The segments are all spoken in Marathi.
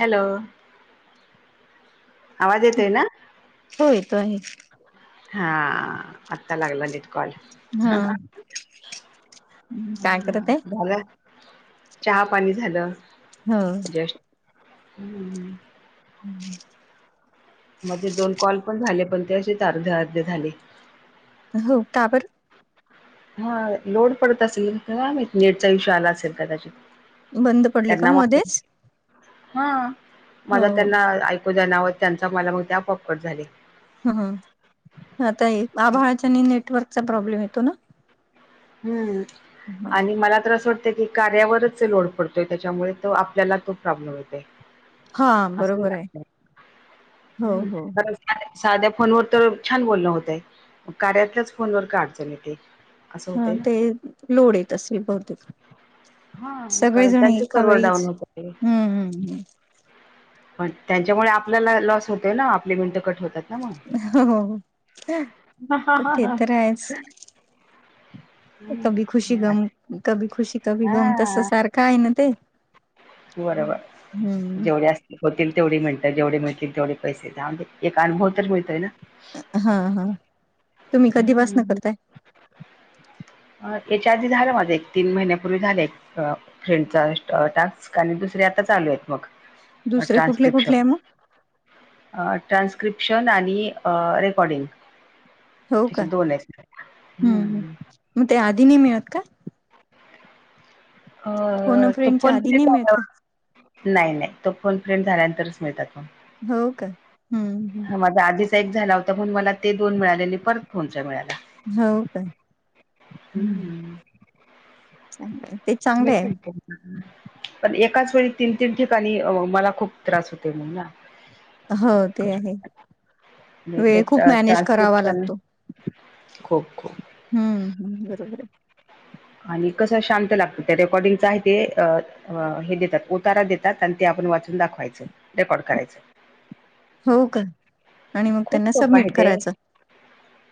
हॅलो आवाज येतोय ना. हो येतो आहे. हा आत्ता लागला नीट कॉल. हा काय करत आहे झालं चहा पाणी झालं हो जस्ट. हम्म हम्म [unintelligible] मध्येे दोन कॉल पण झाले पण तेच अर्धे अर्धे झाले. हो का बर. हा लोड पडत असेल का काय माहीत नेटचा विशय आला असेल कादाचित. बंद पडले का त्यांनावाटलं मध्येच हा हो माझा त्यांना ऐकू जाईना आवाज. त्यांचा मला मग ते आपोआप कट झाली. ह आता आभाळाच्यानी नेटवर्कचा प्रॉब्लेम येतो ना. हम्म ह आणि मला तर असं वाटत की कार्यावरच लोड पडतोय त्याच्यामुळे तो आपल्याला तो प्रॉब्लेम येतय. हा आसू बरोबर आहे शकते हो हम्म हो खरंच. साध्या फोनवर तर छान बोलणं होतय कार्यातल्याच फोनवर का अडचण येतेय. हा ते लोडी येत असेल बहुतेक. हा कारण सगळेजण त्यांचे एका सर्व्हर डाऊन वेळीच होतंय. हम्म हम्म हम्म, पण त्यांच्यामुळे आपल्याला लॉस होतोय ना आपली मिनटं कट होतात. ना मग. हो तर ते तर आहेच. हम्म कभी खुशी गम कभी खुशी कभी गम तस हा सारखा आहे ना ते. बरोबर हम्म जेवढ्या अस होतील तेवढी मिनीट जेवढे मिळतील तेवढे पैसे जाऊदे एक अनुभव तर मिळतोय ना. हा हा. तुम्ही कधीपासन हम् [inaudible] याच्या आधी झालं माझं एक तीन महिन्यापूर्वी झाले एक फ्रीडचा टास्क आणि दुसर आता चालू आहेत मग. दुसरे कुठले कुठले आहे ट्रान्स्क्रिशन. मग ट्रान्स्क्रिप्शन आणि रेकॉर्डिंग. हो का अशे दोन आहेत हम्म. म ते आधि नाही मिळत का. अ फोन अ तो फ्रेंडच्या फोन आधी के नाही मिळत का [unintelligible] नाही नाही तो फोन फ्रेंड्स झाल्यानंतरच मिळतात मग. हो का हम्म ह्. माझा आधीचा एक झाला होता म्हण मला ते दोन मिळाले परत फोणचा मिळाला. हो काय हम्म. ते चांगले आहे निकलतो पण एकाच वेळी तीन तीन ठिकाणी मला खूप त्रास होते म्हण ना हो ते आहे ते वेळ खूप मॅनेज करावा ट्रानसपटशन लागतो खूप खूप हम्म हम् बरोबर आहे आणि कसं शांत लागतो त्या रेकॉर्डिंग च आहे ते अ अ हे देतात उओतारा देतात आणि ते आपण वाचून दाखवायचं रेकॉर्ड करायचं हो का आणि मग खूप त्यांना सोपं आहे सबमिट ते करायचं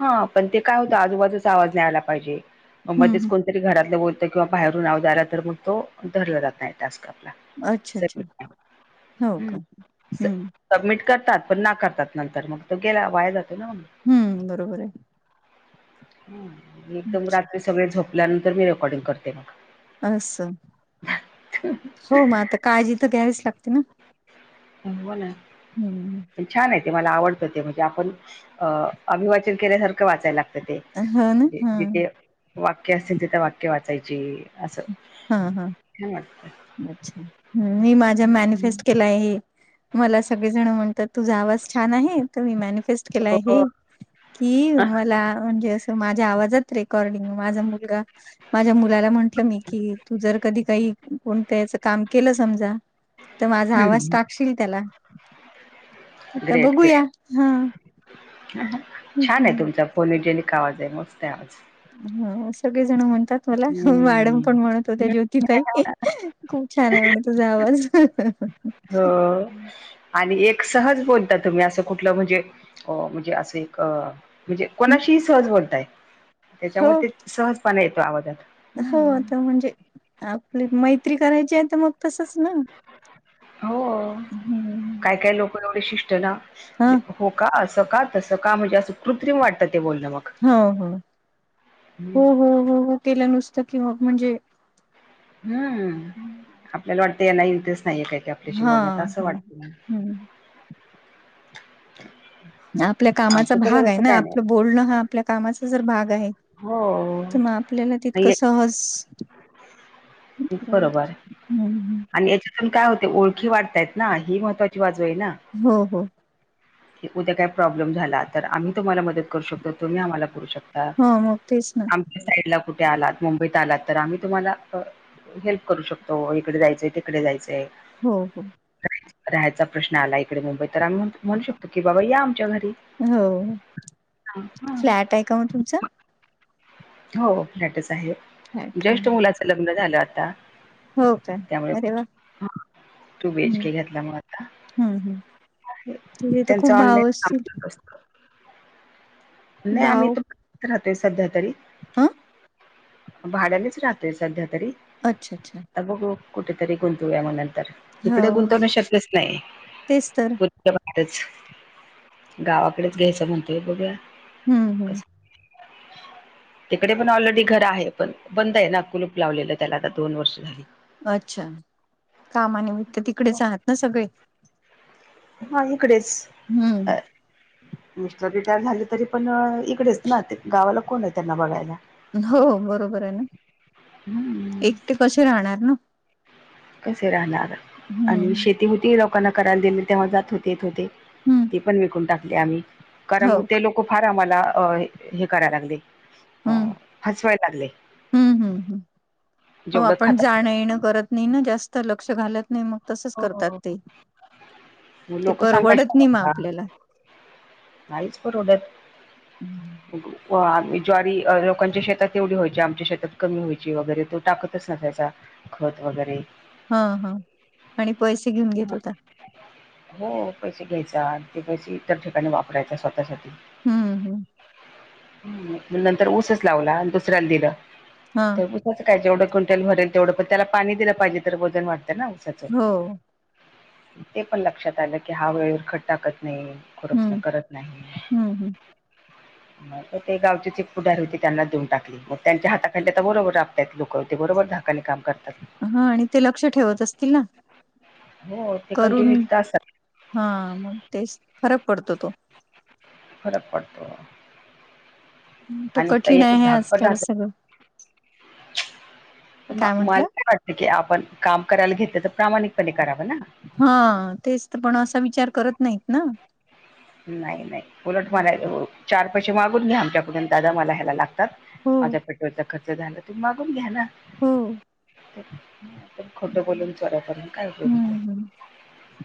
हा पण ते काय होतं आजूबाजूचा आवाज नाही आयला पाहिजे हम्म मध्येच हम्म. कोण जरी घरातलं बोलत किंवा बाहेरून आवाज आला तर मग तो धरला जात नाही टास्क आपला अच्छा स अच्छा हो हम्म का हम्म सबमिट करतात पण नाकारतात नंतर मग तो केला वाया जातो ना मग हम्म बरोबर आहे? ह एकदम अच्छा रात्री सगळे झोपल्यानंतर मी रेकॉर्डिंग करते मग अस हो मग आता काळजी तर घ्यावीच लागते ना? हो ना हम्म पण छान आहे ते मला आवडतं ते म्हणजे आपण अ अभिवाचन केल्यासारखं वाचायला लागत हो ना ते हा इथे वाक्य असतील तिथं वाक्य वाचायची असं हा हा छान वाटत अच्छा ह मी माझ्या हं. मॅनिफेस्ट केला आहे हे मला सगळेजण म्हणतात तुझा आवाज छान आहे तर मी मॅनिफेस्ट केला आहे हे हो कि मला म्हणजे असं माझ्या आवाजात रेकॉर्डिंग माझा मुलगा माझ्या मुलाला म्हंटलं मी की तू जर कधी काही फोन त्याच काम केलं समजा तर माझा आवाज हं, टाकशील त्याला तर ग्रेट, बघूया ग्रेट. ह- छान आहे तुमचा फोनजेलिक आवाज आहे मस्तय आवाज? ह सगळेजण म्हणतात मला मॅडम हम्म. पण म्हणत हो त्या ज्योती ताई खूप छान आहे म्हणे तुझा आवाज. हो आणि एक सहज बोलता तुम्ही असं कुठलं म्हणजे अ म्हणजे असं एक म्हणजे कोणाशीही सहज बोलताय हो त्याच्यामुळे ते सहजपणा येतो आवाजात? हो हं, आता म्हणजे आपली मैत्री करायची आहे तर मग तसच ना हो! हम्म काय काय लोक एवढे शिस्ट ना हा हो का असं का तसं का म्हणजे असं कृत्रिम वाटतं ते बोलणं मग हो हो हं, हो हो हो हो केलं नुसतं किं म्हणजे हम्म आपल्याला वाटतें यांना इंटरेस्ट नाहीये काही की आपल्याशी हा बोलण्यात असं हा वाटत? हम्म आपल्या कामाचा आमचं भाग तर आहे तसं ना काय नाही आपलं बोलणं हा आपल्या कामाचा जर भाग आहे हो! तर मग आपल्याला तितकं नाही सहज. बरोबर हम्म आणि याच्यात काय होतय ओळखी वाढतायत ना ही महत्वाची बाजू आहे ना? हो हो उद्या काय प्रॉब्लेम झाला तर आम्ही तुम्हाला मदत करू शकतो तुम्ही आम्हाला करू शकता हो मग तेच ना आमच्या साईडला कुठे आलात मुंबईत आलात तर आम्ही तुम्हाला हेल्प करू शकतो इकडे जायचंय तिकडे जायचंय? हो- हो हाय राहायचा प्रश्न आला इकडे मुंबई तर आम्ही म्हणू शकतो की बाबा या आमच्या घरी. हो हां. फ्लॅट आहे का मग तुमचा? हो, प्लॅटच आहे. फ्लॅट जस्ट मुलाचं लग्न झालं आता. हो काय, त्यामुळे अरे वा टू हम बीएचके घेतला मग आता हम्म हम् तिथ खूप त्यांचं भाव ऑनलाईन काम असतील? करत असत नाही आम्ही भाव तुम राहतोय सध्या तरी ह भाड्यानेच राहतोय. सध्या तरी अच्छा! अच्छा! आता बघु कुठेतरी गुंतवूया म्हग नंतर हो इकडे गुंतवण शक्यच नाही. तेच तर त्यामुळे इथंच गावाकडेच घ्यायचं म्हणतोय बघुया. हम्म हम्म तिकडे पण ऑलरेडी घरं आहे. पण बंद आहे ना कुलूप लावलेलं त्याला आता दोन वर्ष झाली. अच्छा कामानिमित्त तिकडेच आहात ना सगळे, हा इकडेच हम्म मिस्टर रिटायर झाले तरी पण इकडेच ना ते गावाला कोण आहे त्यांना बघायला, हो बरोबर आहे ना. हम्म एकटे कसे राहणार ना. कसे राहणार आणि हम्म शेती होती लोकांना करायला दिली तेव्हा जात होते येत होते. हम्म ती पण विकून टाकली. आम्ही हो कारण ते लोक खूप फार आम्हाला हे करायला लागले. हो हम्म अस व्हायला लागले. हम्म जेवढं खात जाण येण करत. नाही ना. जास्त लक्ष घालत नाही. मग तसच करतात ते ते लोक परवडत नाही. मगं सांगायचे आपल्याला नाहीच परवडत आ ज्वारी लोकांच्या शेतात तेवढी व्हायची आमच्या शेतात कमी व्हायची वगैरे तो टाकतच नसायचा. खत वगैरे हा हा आणि पैसे घेऊन घेत होता. हो पैसे घ्यायचा आणि ते पैसे इतर ठिकाणी वापरायचा स्वतःसाठी. हम्म हम्म नंतर ऊसच लावला आणि दुसऱ्याला दिलं हा तर काय जेवढं क्विंटल भरेल तेवढं पण त्याला पाणी दिलं पाहिजे. तर वजन वाढतं ना. ऊसाच हो ते पण लक्षात आलं की, हा वेळेवर खत टाकत नाही. खुरपण हम्म करत नाही. हम्म [inaudible] ते गावचेच एक पुढार होते त्यांना देऊन टाकल. त्यांच्या हाताखाली आता बरोबर राबतयात लोक ते बरोबर धाकाने काम करतात. हा आणि ते लक्ष ठेवत असतील ना. हो ते कंटिन्यू करून तिथं असतात हा मग तेच फरक पडतो तो. फरक पडतो. तर आणि त- कठीण एक आहे. धाकपट आजकाल राहतो सगळं. मला काय वाटत की आपण काम करायला घेतलं तर प्रामाणिकपणे करावं ना. हा तेच तर पण असा विचार करत नाहीत ना. नाही नाही उलट मला चार पैसे मागून घे आमच्याकडून दादा मला ह्याला लागत. हो माझ्या पेट्रोलचा खर्च झाला तर मागून घ्या ना. हो पण खोटं बोलून चोऱ्या करून काय उपयोग हम्म हम्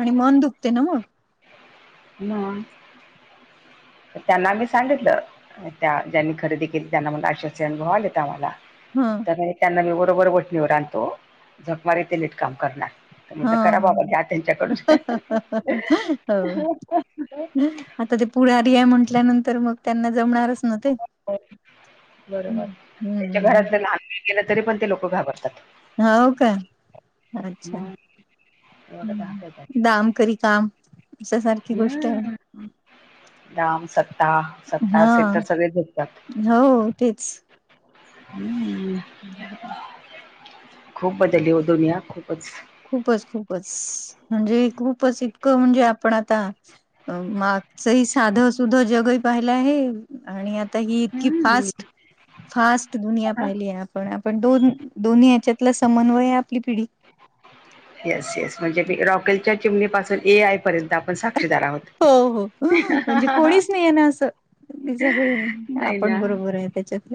आणि मन दुखते ना मग. ह त्यांना मी सांगितलं. त्या ज्यांनी खरेदी केली त्यांना मला आशे-आशे अनुभव आलेत आम्हाला हा त्या त्यांना मी बरोबर वठणीवर आणतो झकमारी ते नीटकाम करणार तर हा म्हणलं करा हा. बाबा घ्या त्यांच्याकडून हो. [inaudible] आता ते पुढारी आहे म्हंटल्यानंतर मग त्यांना जमणारच न ते बरोबर त्याच्या हम्म घरातले लहानकुणी गेलं तरी पण ते लोक घाबरतात होव का? अच्छा मग एवढं दाखवतात दाम करी काम अशा सारखी गोष्ट आहे हम्म दाम सत्ता- सत्ता हा असे तर सगळे झुकतात हो तेच हम्म ह [inaudible] खूप बदलली हो दुनिया खूपच खूपच -खूपच म्हणजे खूपच इतकं म्हणजे आपण आता मागचंही साध सुध जगही पाहिलं आहे आणि आ आता ही इतकी हम्म फास्ट- फास्ट दुनिया पाहिली आहे आपण पण दोन- दोन्ही याच्यातला समन्वय आपली पिढी येस -येस म्हणजे मी रॉकेलच्या चिमणीपासून ए आय पर्यंत आपण साक्षीदार आहोत हो -हो [inaudible] हा म्हणजे हा हा कोणीच नाही आहे ना असं बाकी सगळे नाही आपण ना बरोबर आहे त्याच्यात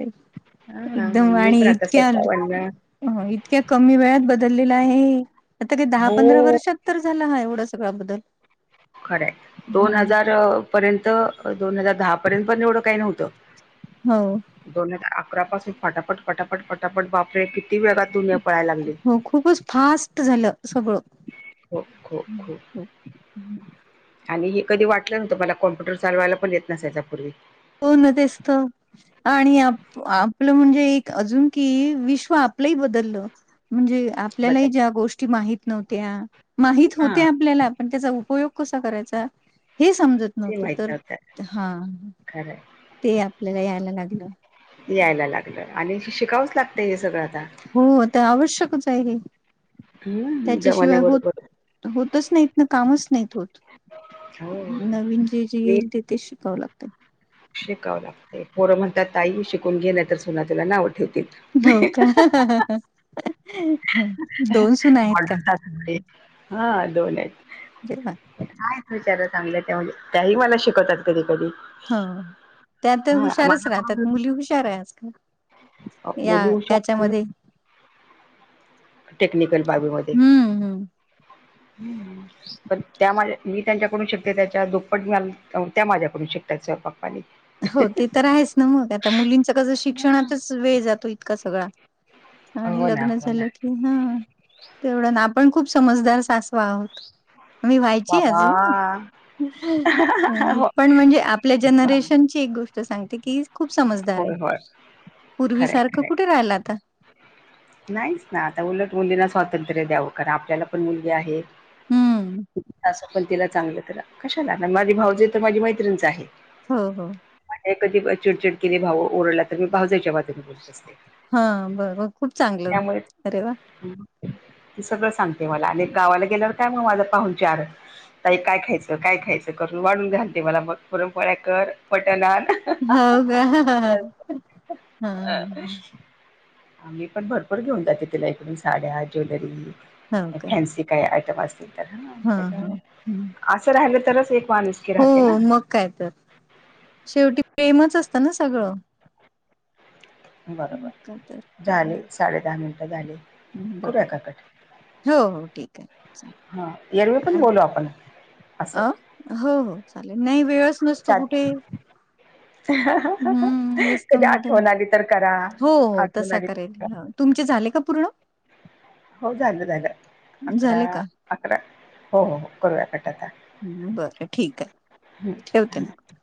हां, हां. एकदम मी आणि पण आता इतक्या [inaudible] इतक्या कमी वेळात बदललेला आहे हे आता काय दहा पंधरा हो, वर्षात तर झालं हा एवढं सगळ्या बदल खराय दोन हजार पर्यंत दोन हजार दहा पर्यंत पण एवढं काही नव्हतं [inaudible] हो दोन हजार अकरा पासून पटापट- पटापट -पटापट बापरे किती वेगात दुनिया पळायला लागली. हो खूपच फास्ट झालं सगळं हो खो -खो आणि हे कधी वाटलं न्हवतं मला कॉम्पुटर चालवायला पण येत नसायचा पूर्वी हो ना तेच त आणि आप-आपलं म्हणजे एक अजून कि विश्व आपलंही बदललं म्हणजे आपल्यालाही बदल ज्या गोष्टी माहीत नव्हत्या माहीत हां, होत्या आपल्याला पण त्याचा उपयोग कसा करायचा हे समजत नव्हतं तर हा खराय ते आपल्याला यायला लागलं यायला लागलं आणि शि -शिकावंच लागतं हे सगळं आता हो ते आवश्यकच आहे हं, त्याच्याशिवाय जमान्याबरोबर होत- होतच नाहीत ना कामच नाहीत होत हो. नवीन जे- जे येईल ते- ते शिकावं लागत शिकावं लागतय पोरं म्हणतात आई शिकून घे नाही तर सुना तुला नाव ठेवतील हो का [inaudible] दोन सून आहेत का? ऑर्डर हा दोन येत का? [unintelligible] बिचाऱ्या चांगल्यायत त्यामुळे त्याही मला शिकतात कधी- कधी हो त्या त हा रहुशारच राहतात माझ्याकडून मुली हुशार आहे आजकाल या मुली हुशार त्याच्यामध्ये आहेत टेक्निकल बाबी मध्ये हम्म हम्म [inaudible] पण त्यामध्ये मी त्यांच्याकडून शिकते त्याच्या दुप्पट मल -त्या माझ्याकडून शिकतात स्वयंपाकपाणी हो ते तर आहेच ना मग आता मुलींच कसं शिक्षणातच वेळ जातोय तोय सगळा आणि हो ना लग्न हो ना झालं क कि हा तेवढं ना आपण खूप समजदार सासवा आहोत मी व्हायची बाबा अजून हो पण म्हणजे आपल्या जनरेशन. एक गोष्ट सांगते की खूप समजदार आहे होय होय पूर्वी खरंय सारखं खरंय कुठे राहिला आता. नाहीच ना आता उलट मुलींना स्वातंत्र्य द्यावं कार आपल्याला पण मुलगी आहेत. हम्म तं पण तिला चांगलं तला. कशाला ना माझी भावजय तर माझी मैत्रिणच आहे. हो हो. मा कधी चिडचिड केली भाऊ ओरडला तर मी भाऊजाच्या बाजून बोलत असते. हा बरं ब खूप चांगलं अरे वा. ते सगळं सांगते मला आणि गावाला गेल्यावर काय मग माझा पाहून चार. ताई काय खायचं काय खायचं करून वाढून घालते मला मग पुरणपोळ्या कर मटन आण. ह ह. अ. आम्ही पण भरपूर घेऊन जाते तिला इकडून साड्या ज्वेलरी हो का फॅन्सी काय आयटम असतील. तर हा हा त्याच्यामुळे हम्. असं राहिलं तरच एक माणुसकी राहते ना. मग काय तर शेवटी प्रेमच असत ना सगळं. मग काय तर बरोबर झाली साडे दहा मिनिटं झाली. बर हो हो ठीक आहे चालेल. हा येरवे पण आणि बोलो आपण असं. अ हो हो चालेल नाही वेळच नसतो साध कुठे. हम्म हेच तर कधी मोठे आठवण आली तर करा हो हो आठवण तसा आली करेल. तर करा तुमचे झाले का पूर्ण. हो झालं झालं अकरा. झाले का अकरा हो हो हो करूया कट आता. हम्म बरं ठीक आहे हम्म ठेवते हम्म. मी.